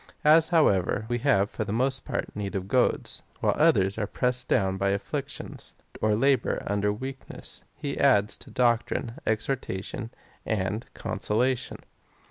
As, however, we have for the most part need of goads, while others are pressed down by afflictions, or labour under weakness, he adds to doctrine, exhortation and consola tion.